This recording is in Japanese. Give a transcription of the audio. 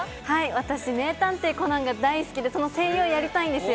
私、名探偵コナンが大好きで、その声優をやりたいんですよ。